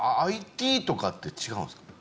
ＩＴとかって違うんですか？